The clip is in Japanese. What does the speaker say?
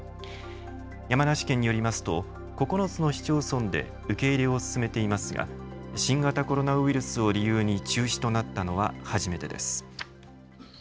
山梨県によりますと９つの市町村で受け入れを進めていますが新型コロナウイルスを理由に中止となったのは初めてです。